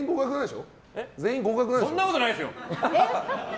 そんなことないですよ！